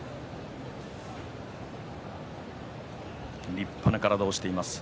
立派な体をしています。